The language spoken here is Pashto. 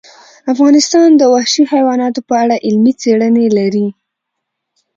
افغانستان د وحشي حیواناتو په اړه علمي څېړنې لري.